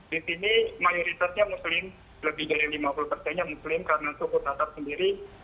di sini mayoritasnya muslim lebih dari lima puluh persennya muslim karena suku tatap sendiri